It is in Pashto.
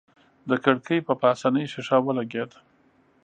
د کړکۍ په پاسنۍ ښيښه ولګېد.